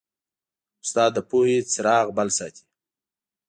استاد د پوهې څراغ بل ساتي.